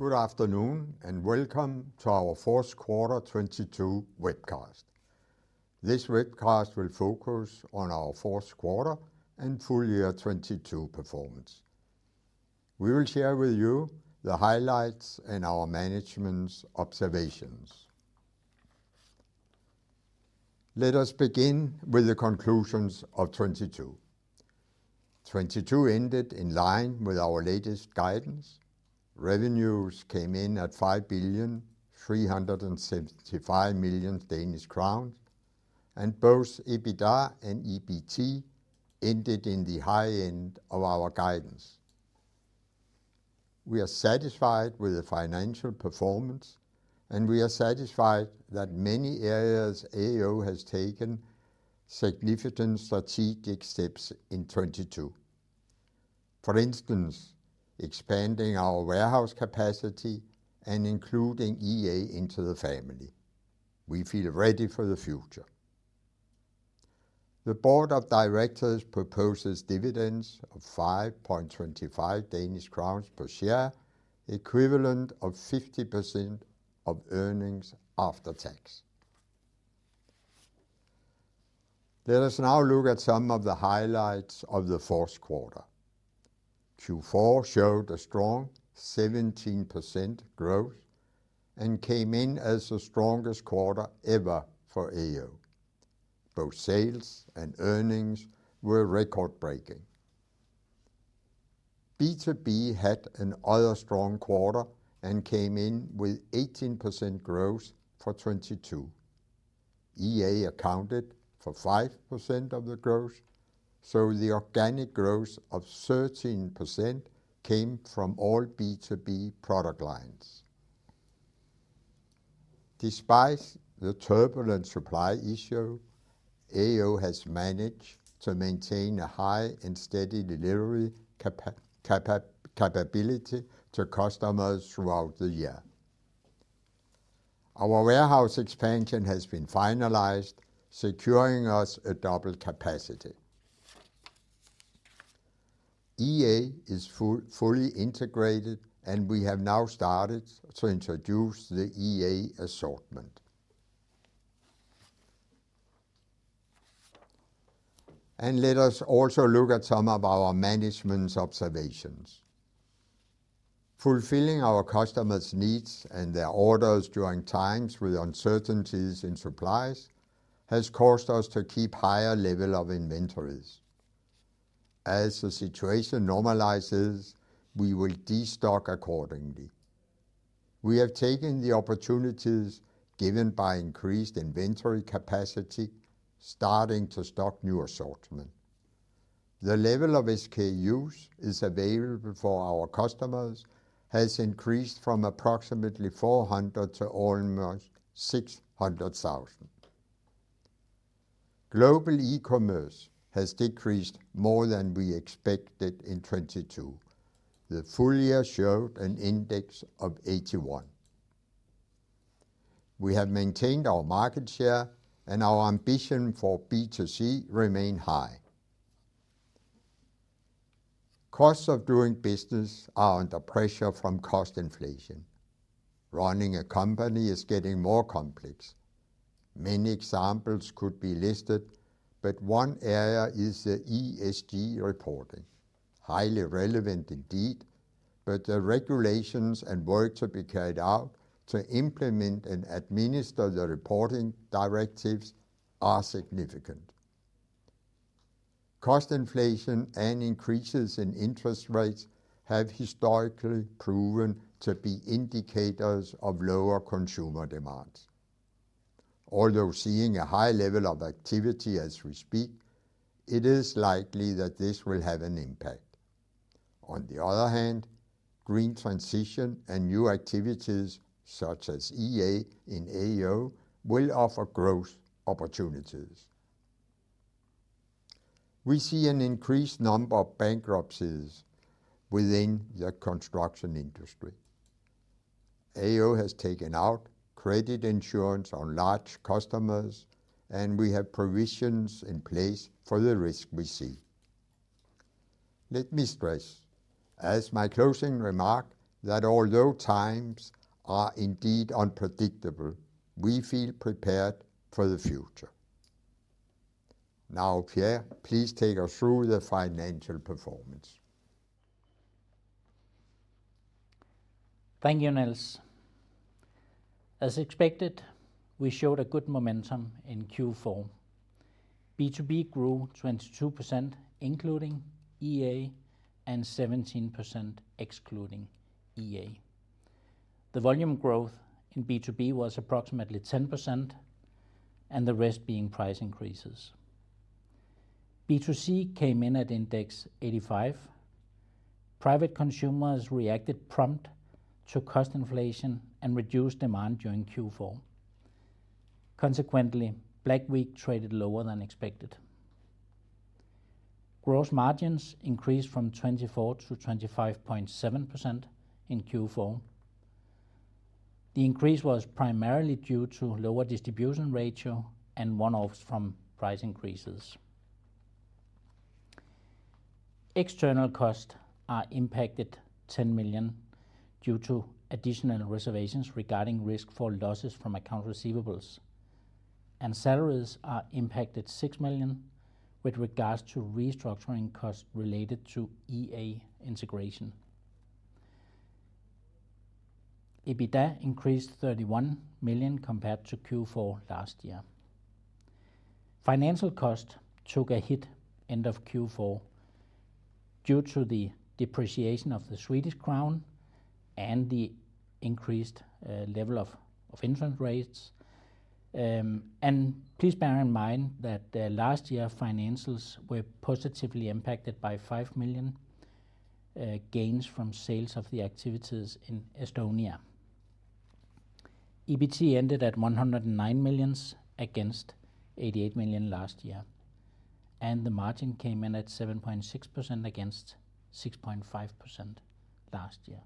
Good afternoon, welcome to our fourth quarter 2022 webcast. This webcast will focus on our fourth quarter and full year 2022 performance. We will share with you the highlights and our management's observations. Let us begin with the conclusions of 2022. 2022 ended in line with our latest guidance. Revenues came in at 5,375 million Danish crown, both EBITDA and EBT ended in the high end of our guidance. We are satisfied with the financial performance, we are satisfied that many areas AO has taken significant strategic steps in 2022. For instance, expanding our warehouse capacity and including EA into the family. We feel ready for the future. The Board of Directors proposes dividends of 5.25 Danish crowns per share, equivalent of 50% of earnings after tax. Let us now look at some of the highlights of the fourth quarter. Q4 showed a strong 17% growth and came in as the strongest quarter ever for AO. Both sales and earnings were record-breaking. B2B had another strong quarter and came in with 18% growth for 2022. EA accounted for 5% of the growth. The organic growth of 13% came from all B2B product lines. Despite the turbulent supply issue, AO has managed to maintain a high and steady delivery capability to customers throughout the year. Our warehouse expansion has been finalized, securing us a double capacity. EA is fully integrated. We have now started to introduce the EA assortment. Let us also look at some of our management's observations. Fulfilling our customers' needs and their orders during times with uncertainties in supplies has caused us to keep higher level of inventories. As the situation normalizes, we will destock accordingly. We have taken the opportunities given by increased inventory capacity, starting to stock new assortment. The level of SKUs is available for our customers has increased from approximately 400 to almost 600,000. Global e-commerce has decreased more than we expected in 2022. The full year showed an index of 81. We have maintained our market share, and our ambition for B2C remain high. Costs of doing business are under pressure from cost inflation. Running a company is getting more complex. Many examples could be listed, but one area is the ESG reporting. Highly relevant indeed, but the regulations and work to be carried out to implement and administer the reporting directives are significant. Cost inflation and increases in interest rates have historically proven to be indicators of lower consumer demands. Although seeing a high level of activity as we speak, it is likely that this will have an impact. On the other hand, green transition and new activities such as EA in AO will offer growth opportunities. We see an increased number of bankruptcies within the construction industry. AO has taken out credit insurance on large customers, and we have provisions in place for the risk we see. Let me stress as my closing remark that although times are indeed unpredictable, we feel prepared for the future. Now, Per, please take us through the financial performance. Thank you, Niels. As expected, we showed a good momentum in Q4. B2B grew 22% including EA and 17% excluding EA. The volume growth in B2B was approximately 10% and the rest being price increases. B2C came in at index 85. Private consumers reacted prompt to cost inflation and reduced demand during Q4. Consequently, Black Week traded lower than expected. Gross margins increased from 24% to 25.7% in Q4. The increase was primarily due to lower distribution ratio and one-offs from price increases. External costs are impacted 10 million due to additional reservations regarding risk for losses from account receivables. Salaries are impacted 6 million with regards to restructuring costs related to EA integration. EBITDA increased 31 million compared to Q4 last year. Financial costs took a hit end of Q4 due to the depreciation of the Swedish crown and the increased level of interest rates. Please bear in mind that the last year financials were positively impacted by 5 million gains from sales of the activities in Estonia. EBT ended at 109 million against 88 million last year. The margin came in at 7.6% against 6.5% last year.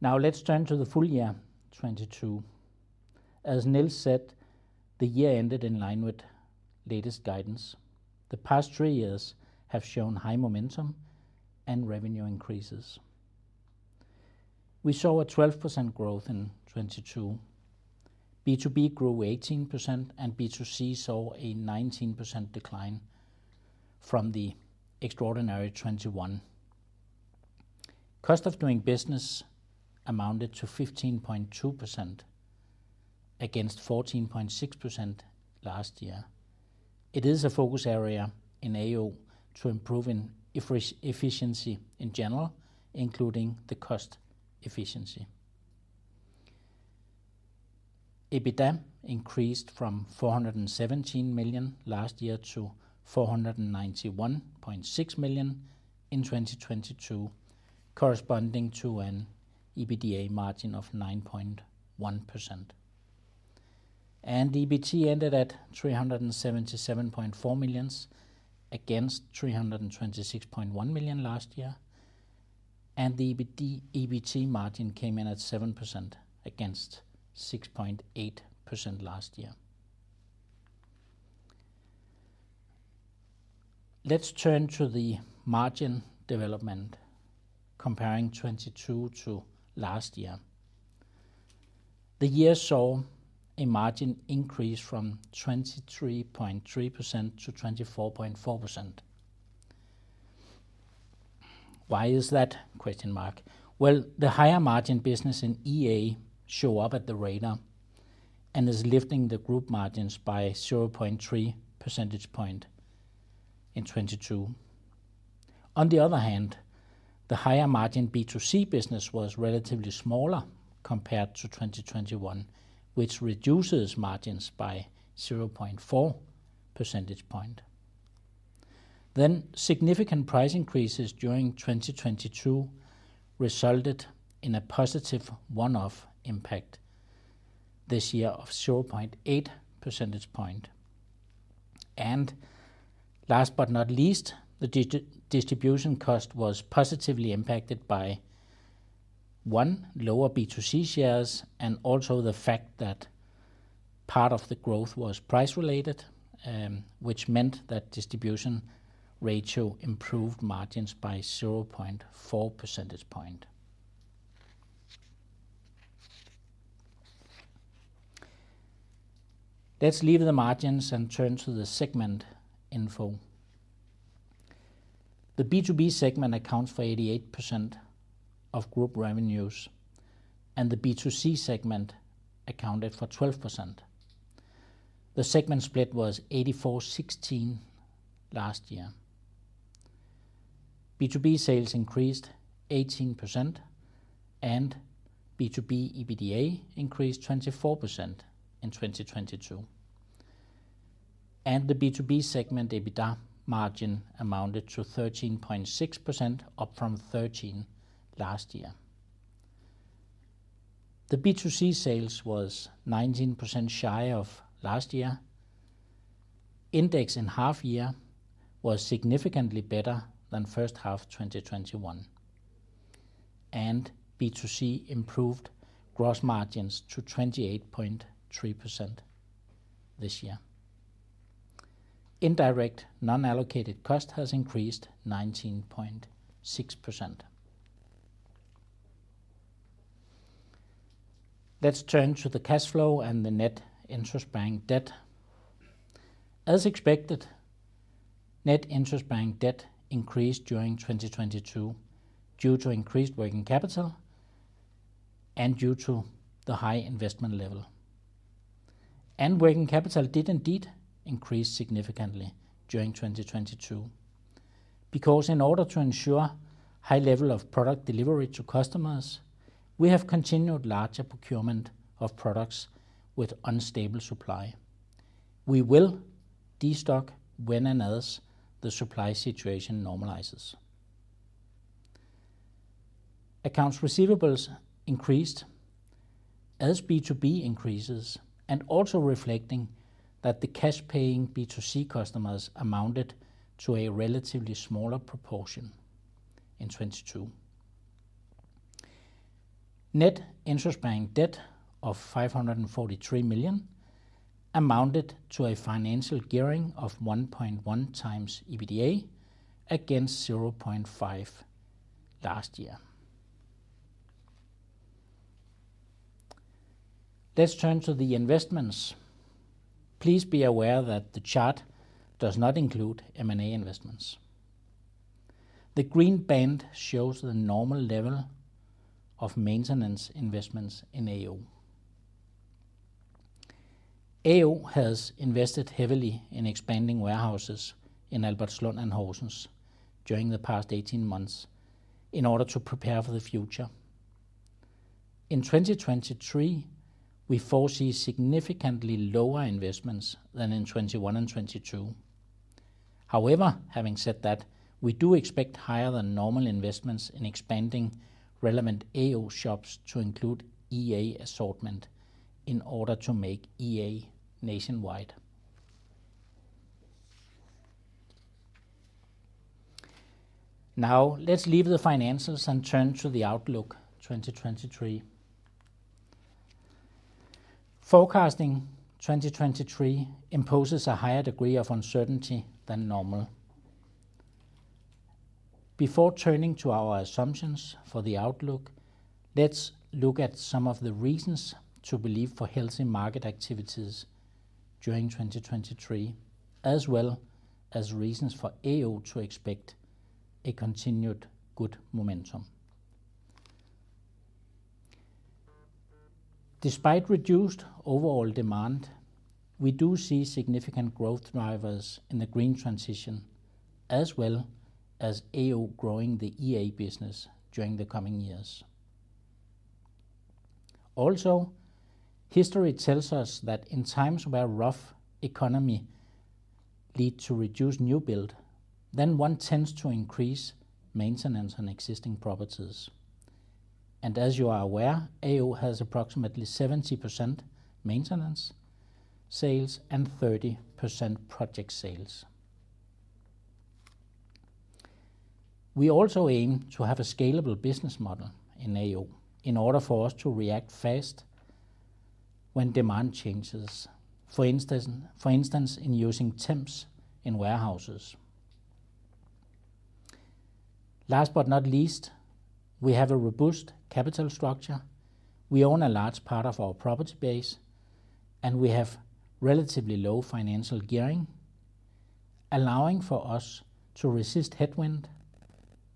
Now let's turn to the full year 2022. As Niels said, the year ended in line with latest guidance. The past 3 years have shown high momentum and revenue increases. We saw a 12% growth in 2022. B2B grew 18%, and B2C saw a 19% decline from the extraordinary 2021. Cost of doing business amounted to 15.2% against 14.6% last year. It is a focus area in AO to improve efficiency in general, including the cost efficiency. EBITDA increased from 417 million last year to 491.6 million in 2022, corresponding to an EBITDA margin of 9.1%. EBT ended at 377.4 million against 326.1 million last year, and the EBT margin came in at 7% against 6.8% last year. Let's turn to the margin development comparing 2022 to last year. The year saw a margin increase from 23.3%-24.4%. Why is that? Well, the higher margin business in EA show up at the radar and is lifting the group margins by 0.3 percentage point in 2022. On the other hand, the higher margin B2C business was relatively smaller compared to 2021, which reduces margins by 0.4 percentage point. Significant price increases during 2022 resulted in a positive one-off impact this year of 0.8 percentage point. Last but not least, the distribution cost was positively impacted by, 1, lower B2C shares, and also the fact that part of the growth was price related, which meant that distribution ratio improved margins by 0.4 percentage point. Let's leave the margins and turn to the segment info. The B2B segment accounts for 88% of group revenues, and the B2C segment accounted for 12%. The segment split was 84/16 last year. B2B sales increased 18%, B2B EBITDA increased 24% in 2022. The B2B segment EBITDA margin amounted to 13.6%, up from 13 last year. The B2C sales was 19% shy of last year. Index in half year was significantly better than first half 2021, and B2C improved gross margins to 28.3% this year. Indirect non-allocated cost has increased 19.6%. Let's turn to the cash flow and the net interest bank debt. As expected, net interest bank debt increased during 2022 due to increased working capital and due to the high investment level. Working capital did indeed increase significantly during 2022. Because in order to ensure high level of product delivery to customers, we have continued larger procurement of products with unstable supply. We will destock when and as the supply situation normalizes. Accounts receivables increased as B2B increases and also reflecting that the cash paying B2C customers amounted to a relatively smaller proportion in 2022. Net interest bank debt of 543 million amounted to a financial gearing of 1.1x EBITDA against 0.5 last year. Let's turn to the investments. Please be aware that the chart does not include M&A investments. The green band shows the normal level of maintenance investments in AO. AO has invested heavily in expanding warehouses in Albertslund and Horsens during the past 18 months in order to prepare for the future. In 2023, we foresee significantly lower investments than in 2021 and 2022. However, having said that, we do expect higher than normal investments in expanding relevant AO shops to include EA assortment in order to make EA nationwide. Let's leave the finances and turn to the outlook 2023. Forecasting 2023 imposes a higher degree of uncertainty than normal. Before turning to our assumptions for the outlook, let's look at some of the reasons to believe for healthy market activities during 2023, as well as reasons for AO to expect a continued good momentum. Despite reduced overall demand, we do see significant growth drivers in the green transition, as well as AO growing the EA business during the coming years. History tells us that in times where rough economy led to reduced new build, then one tends to increase maintenance on existing properties. As you are aware, AO has approximately 70% maintenance sales and 30% project sales. We also aim to have a scalable business model in AO in order for us to react fast when demand changes. For instance, in using temps in warehouses. Last but not least, we have a robust capital structure. We own a large part of our property base, and we have relatively low financial gearing, allowing for us to resist headwind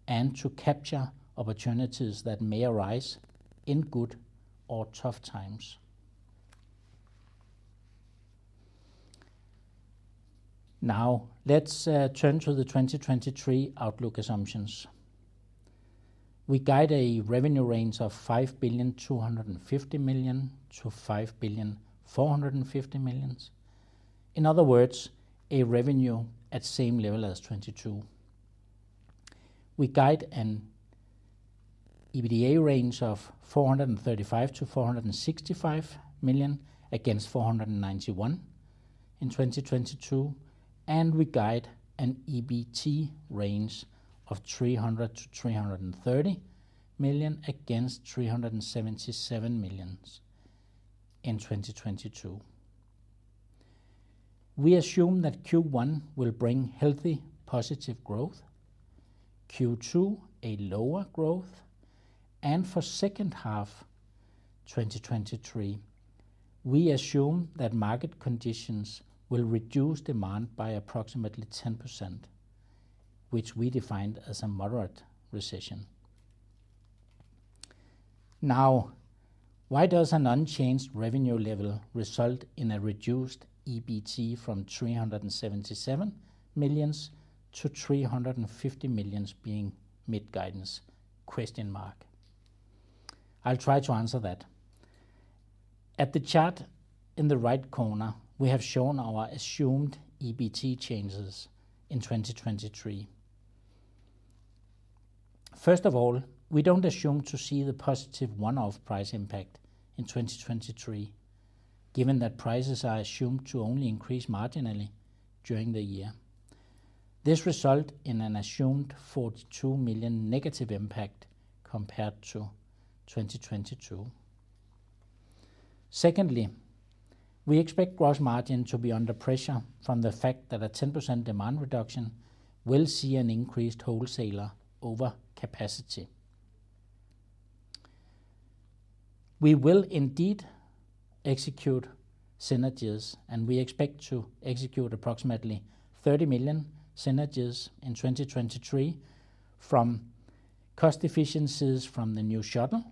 and to capture opportunities that may arise in good or tough times. Now, let's turn to the 2023 outlook assumptions. We guide a revenue range of 5.25 billion-5.45 billion. In other words, a revenue at same level as 2022. We guide an EBITDA range of 435 million-465 million against 491 million in 2022, and we guide an EBT range of 300 million-330 million against 377 million in 2022. We assume that Q1 will bring healthy positive growth, Q2 a lower growth, and for second half 2023, we assume that market conditions will reduce demand by approximately 10%, which we defined as a moderate recession. Why does an unchanged revenue level result in a reduced EBT from 377 million-350 million being mid-guidance? I'll try to answer that. At the chart in the right corner, we have shown our assumed EBT changes in 2023. We don't assume to see the positive one-off price impact in 2023, given that prices are assumed to only increase marginally during the year. This result in an assumed 42 million negative impact compared to 2022. Secondly, we expect gross margin to be under pressure from the fact that a 10% demand reduction will see an increased wholesaler over capacity. We will indeed execute synergies, and we expect to execute approximately 30 million synergies in 2023 from cost efficiencies from the new shuttle,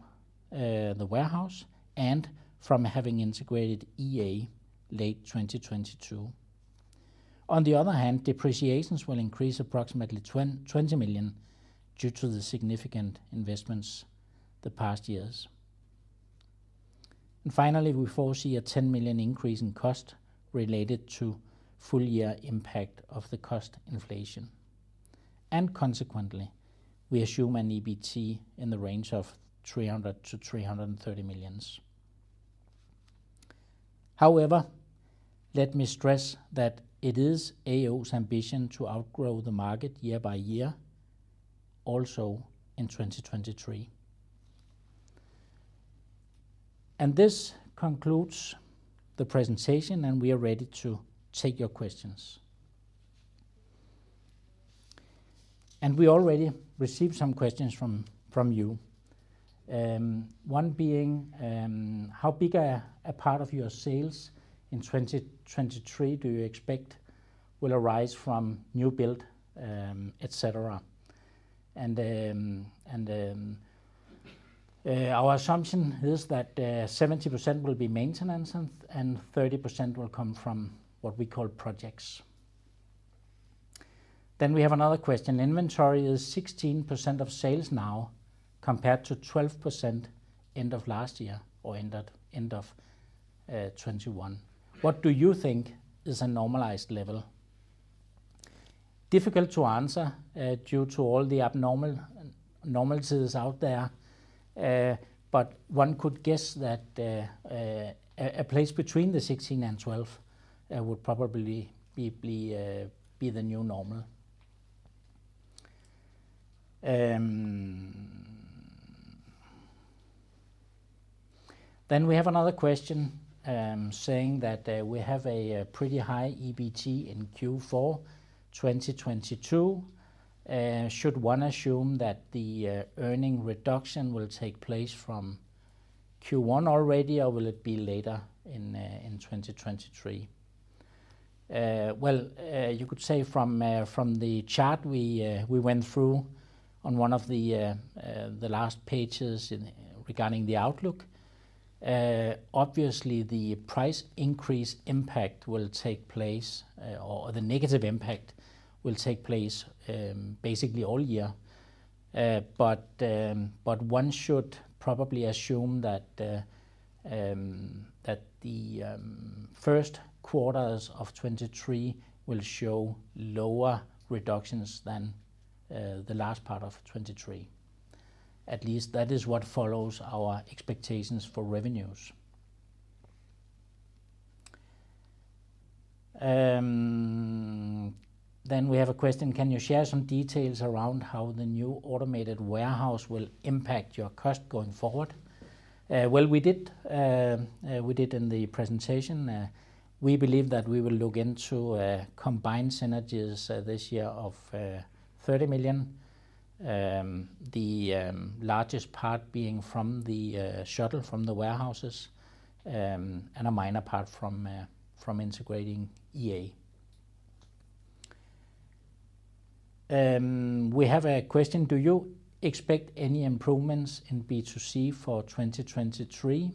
the warehouse, and from having integrated EA late 2022. On the other hand, depreciations will increase approximately 20 million due to the significant investments the past years. Finally, we foresee a 10 million increase in cost related to full year impact of the cost inflation. Consequently, we assume an EBT in the range of 300 million-330 million. However, let me stress that it is AO's ambition to outgrow the market year by year also in 2023. This concludes the presentation, and we are ready to take your questions. We already received some questions from you. One being, how big a part of your sales in 2023 do you expect will arise from new build, et cetera? Our assumption is that 70% will be maintenance and 30% will come from what we call projects. We have another question. Inventory is 16% of sales now compared to 12% end of last year or end of 2021. What do you think is a normalized level? Difficult to answer, due to all the abnormal normalcy that's out there. But one could guess that a place between the 16 and 12 would probably be the new normal. We have another question saying we have a pretty high EBT in Q4 2022. Should one assume the earning reduction will take place from Q1 already or will it be later in 2023? You could say from the chart we went through on one of the last pages regarding the outlook, obviously the price increase impact or the negative impact will take place basically all year. One should probably assume the first quarters of 2023 will show lower reductions than the last part of 2023. At least that is what follows our expectations for revenues. We have a question, can you share some details around how the new automated warehouse will impact your cost going forward? Well, we did. We did in the presentation. We believe that we will look into combined synergies this year of 30 million. The largest part being from the shuttle from the warehouses and a minor part from integrating EA. We have a question. Do you expect any improvements in B2C for 2023?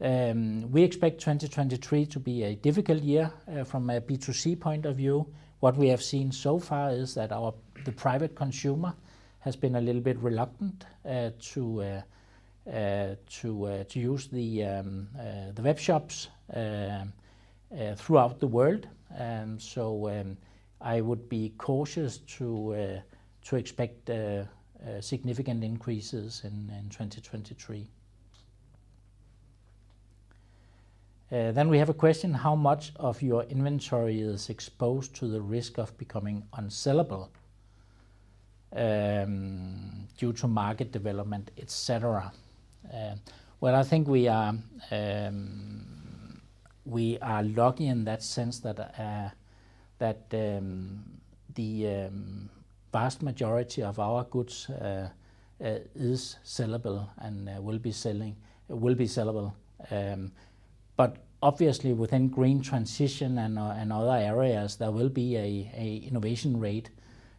We expect 2023 to be a difficult year from a B2C point of view. What we have seen so far is that the private consumer has been a little bit reluctant to use the web shops throughout the world. I would be cautious to expect significant increases in 2023. We have a question, how much of your inventory is exposed to the risk of becoming unsellable due to market development, et cetera? Well, I think we are lucky in that sense that the vast majority of our goods is sellable and will be sellable. Obviously, within green transition and other areas, there will be a innovation rate.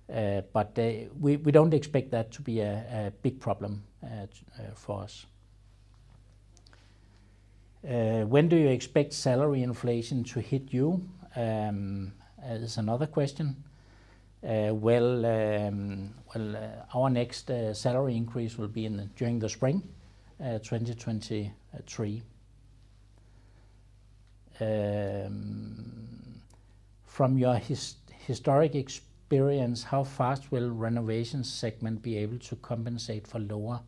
We don't expect that to be a big problem for us. When do you expect salary inflation to hit you is another question. Our next salary increase will be in the... during the spring, 2023. From your historic experience, how fast will renovation segment be able to compensate for lower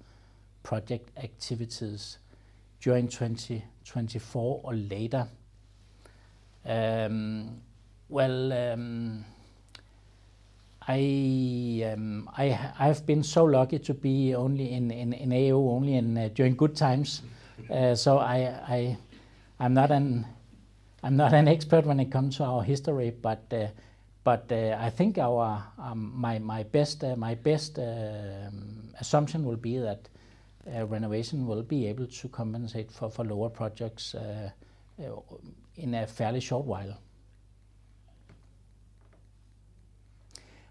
project activities during 2024 or later? Well, I've been so lucky to be only in AO during good times. I'm not an expert when it comes to our history. I think our best assumption will be that renovation will be able to compensate for lower projects in a fairly short while.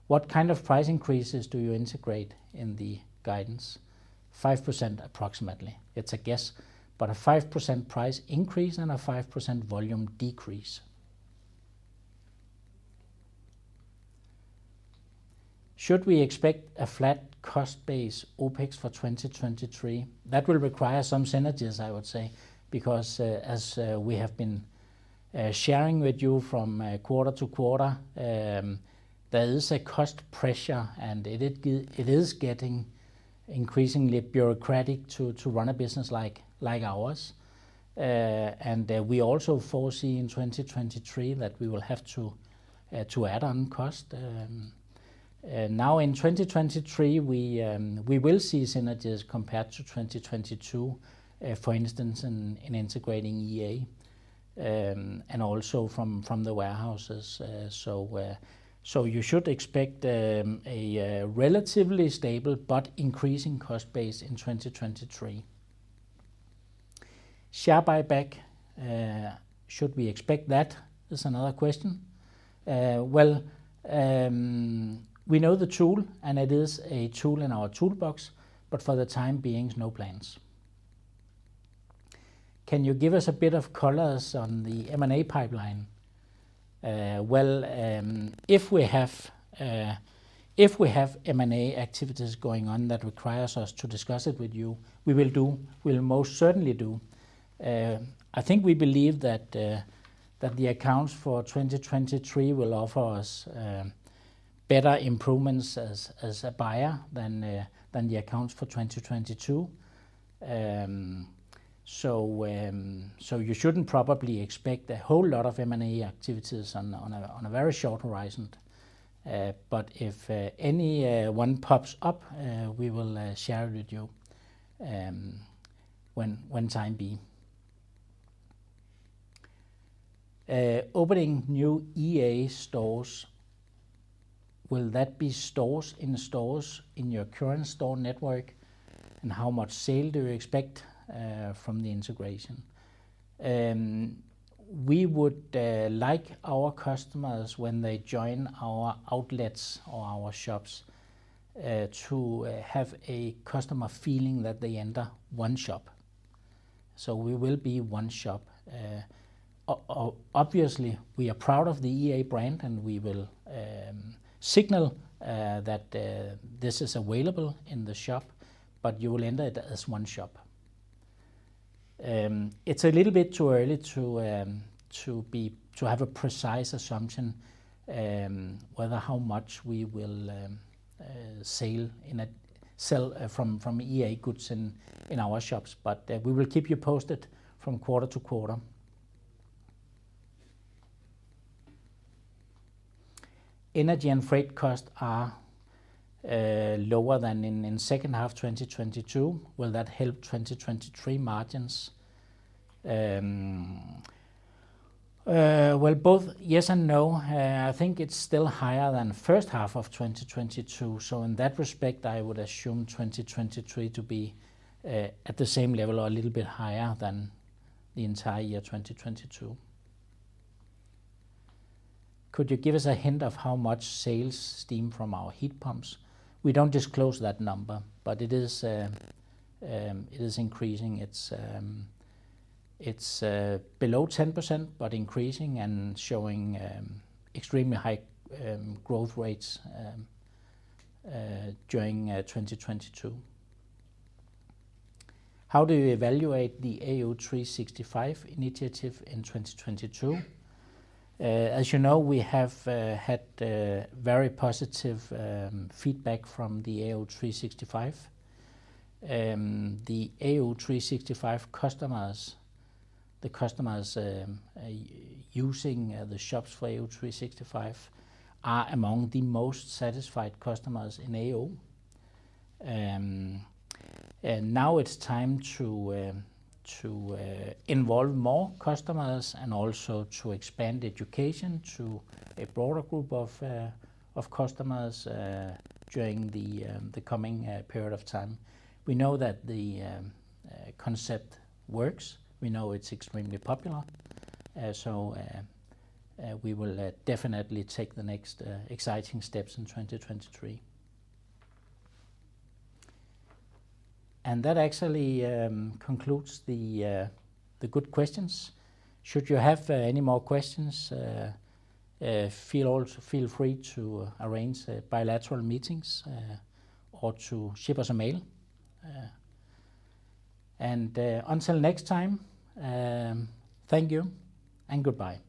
What kind of price increases do you integrate in the guidance? 5% approximately. It's a guess, but a 5% price increase and a 5% volume decrease. Should we expect a flat cost base OpEx for 2023? That will require some synergies I would say, because as we have been sharing with you from quarter to quarter, there is a cost pressure, and it is getting increasingly bureaucratic to run a business like ours. We also foresee in 2023 that we will have to add on cost. Now in 2023, we will see synergies compared to 2022, for instance, in integrating EA and also from the warehouses. You should expect a relatively stable but increasing cost base in 2023. Share buyback, should we expect that? Is another question. Well, we know the tool, and it is a tool in our toolbox, but for the time being, no plans. Can you give us a bit of colors on the M&A pipeline? Well, if we have M&A activities going on that requires us to discuss it with you, we will do. We'll most certainly do. I think we believe that the accounts for 2023 will offer us better improvements as a buyer than the accounts for 2022. You shouldn't probably expect a whole lot of M&A activities on a very short horizon. If any one pops up, we will share it with you when time be. Opening new EA stores, will that be stores in your current store network? How much sale do you expect from the integration? We would like our customers, when they join our outlets or our shops, to have a customer feeling that they enter one shop. We will be one shop. Obviously, we are proud of the EA brand, and we will signal that this is available in the shop, but you will enter it as one shop. It's a little bit too early to have a precise assumption whether how much we will sell from EA goods in our shops, but we will keep you posted from quarter to quarter. Energy and freight costs are lower than in second half 2022. Will that help 2023 margins? Well, both yes and no. I think it's still higher than first half of 2022, so in that respect, I would assume 2023 to be at the same level or a little bit higher than the entire year 2022. Could you give us a hint of how much sales stem from our heat pumps? We don't disclose that number, but it is, it is increasing. It's, it's below 10%, but increasing and showing extremely high growth rates during 2022. How do you evaluate the AO365 initiative in 2022? As you know, we have had very positive feedback from the AO365. The AO365 customers, the customers using the shops for AO365 are among the most satisfied customers in AO. Now it's time to involve more customers and also to expand education to a broader group of customers during the coming period of time. We know that the concept works. We know it's extremely popular. We will definitely take the next exciting steps in 2023. That actually concludes the good questions. Should you have any more questions, feel free to arrange bilateral meetings or to ship us a mail. Until next time, thank you and goodbye.